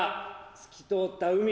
透き通った海！